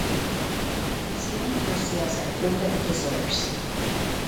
New Zealand fur seals are frequent visitors.